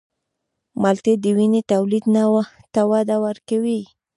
مالټې د وینې تولید ته وده ورکوي.